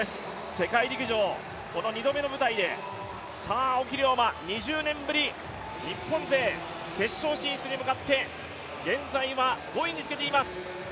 世界陸上この２度目の舞台で、青木涼真２０年ぶり、日本勢決勝進出に向かって現在は５位につけています。